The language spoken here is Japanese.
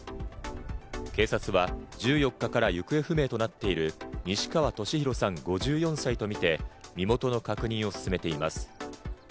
警察は１４日から行方不明となっている西川俊宏さん、５４歳とみて身元の確認を進めています。